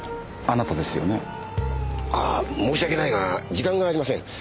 ああ申し訳ないが時間がありません。